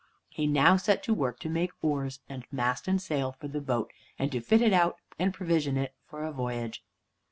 He now set to work to make oars and mast and sail for the boat, and to fit it out and provision it for a voyage.